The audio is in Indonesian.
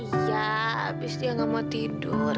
iya abis dia nggak mau tidur